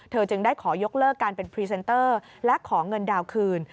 จึงได้ขอยกเลิกการเป็นพรีเซนเตอร์และขอเงินดาวนคืน